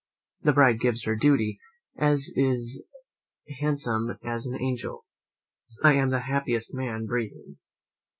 "The bride gives her duty, and is as handsome as an angel. I am the happiest man breathing."